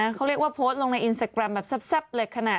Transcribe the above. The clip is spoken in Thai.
เขาก็เรียกว่าโพสลงในอีนเซลกรัมแบบแซ่บเลยน่ะ